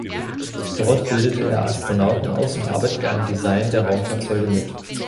Dort bildete er Astronauten aus und arbeitete am Design der Raumfahrzeuge mit.